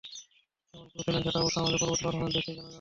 কেমন কোচ এলেন সেটা অবশ্য আমাদের পরবর্তী পারফরম্যান্স দেখেই জানা যাবে।